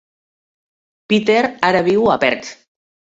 Peter ara viu a Perth.